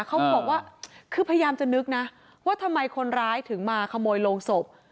เขาบอกว่าคือพยายามจะนึกนะว่าทำไมคนร้ายถึงมาขโมยโรงศพ